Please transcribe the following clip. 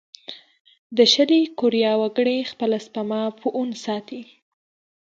د شلي کوریا وګړي خپله سپما په وون ساتي.